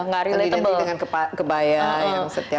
tadi dihenti dengan kebaya yang setiap